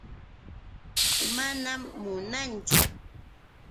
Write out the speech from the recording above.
Manam munaachu.